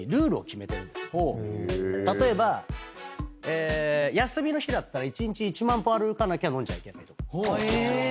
例えば休みの日だったら一日１万歩歩かなきゃ飲んじゃいけないとか。